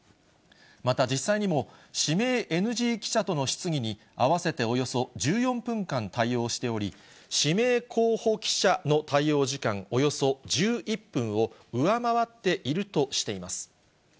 また実際にも、指名ＮＧ記者との質疑に、合わせておよそ１４分間対応しており、指名候補記者の対応時間、およそ１１分を上回っているとしています。